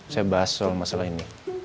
saya bahas soal masalah ini